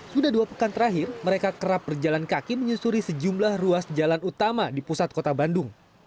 sudah dua pekan terakhir mereka kerap berjalan kaki menyusuri sejumlah ruas jalan utama di pusat kota bandung